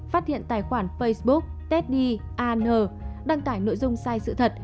phát hiện tài khoản facebook testdy an đăng tải nội dung sai sự thật